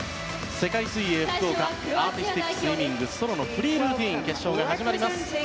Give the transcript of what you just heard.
世界水泳福岡アーティスティックスイミングソロのフリールーティン決勝が始まります。